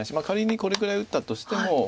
仮にこれぐらい打ったとしても。